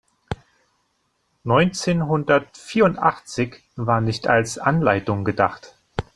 Neunzehnhundertvierundachtzig war nicht als Anleitung gedacht.